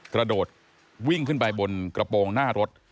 กระโดดวิ่งขึ้นไปบนกระโปรงหน้ารถ